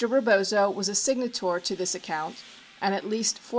Rebozo was a signator to this account and at least $426.